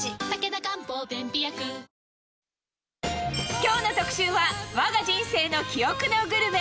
きょうの特集は、わが人生の記憶のグルメ。